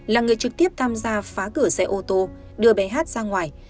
là người trực tiếp tham gia phá cửa xe ô tô đưa bé hát ra ngoài